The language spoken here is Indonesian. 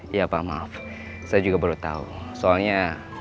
iya pak maaf saya juga baru tahu soalnya